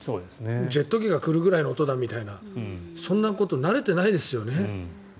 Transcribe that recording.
ジェット機が来るぐらいの音だみたいなそんなこと慣れてないですよね。